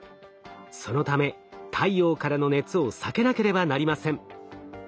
そのため太陽からの熱を避けなければなりません。